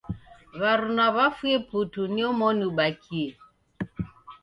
W'aruna w'afue putu ni omoni ubakie